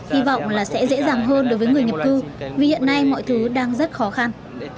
hy vọng là sẽ dễ dàng hơn đối với người nhập cư vì hiện nay mọi thứ đang rất khó khăn